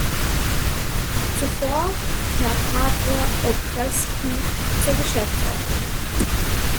Zuvor Herr Fabre-Aubrespy zur Geschäftsordnung.